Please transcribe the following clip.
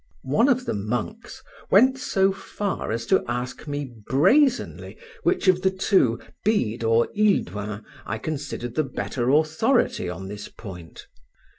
One of the monks went so far as to ask me brazenly which of the two, Bede or Hilduin, I considered the better authority on this point.